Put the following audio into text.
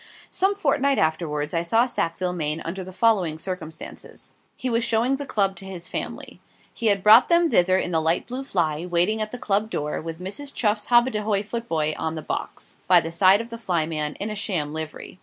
Some fortnight afterwards I saw Sackville Maine under the following circumstances: He was showing the Club to his family. He had 'brought them thither in the light blue fly, waiting at the Club door; with Mrs. Chuff's hobbadehoy footboy on the box, by the side of the flyman, in a sham livery.